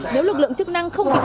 nếu lực lượng chức năng không kịp